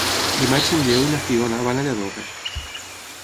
Dimarts en Lleó i na Fiona van a Lladorre.